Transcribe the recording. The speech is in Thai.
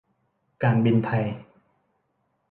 การบินไทย